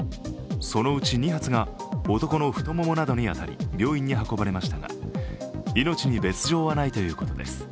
そのうち２発が男の太ももなどに当たり病院に運ばれましたが命に別状はないということです。